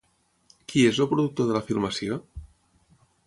Qui és el productor de la filmació?